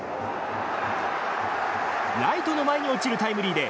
ライトの前に落ちるタイムリーで